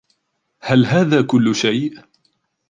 هل هذا کل شی ؟